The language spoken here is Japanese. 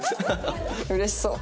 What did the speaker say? うれしそう。